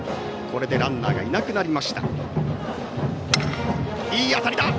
これでランナーがいなくなりました。